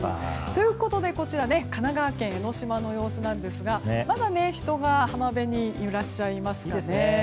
ということで神奈川県江の島の様子なんですがまだ人が浜辺にいらっしゃいますね。